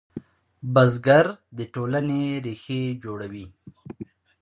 بزګر د ټولنې ریښې جوړوي